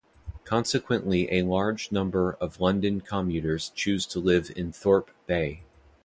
Consequently, a large number of London commuters choose to live in Thorpe Bay.